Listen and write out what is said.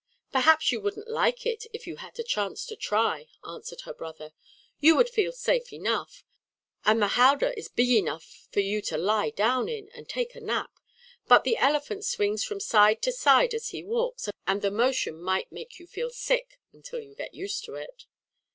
"Perhaps you wouldn't like it if you had a chance to try," answered her brother. "You would feel safe enough, and the howdah is big enough for you to lie down in and take a nap. But the elephant swings from side to side as he walks, and the motion might make you feel sick until you get used to it."